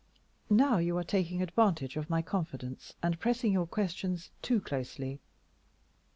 "Now you are taking advantage of my confidence, and pressing your questions too closely.